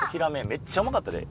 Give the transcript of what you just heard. めっちゃうまかったで。